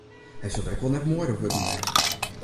Hy sil der ek wol net moaier op wurden wêze.